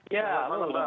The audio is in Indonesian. ya apa kabar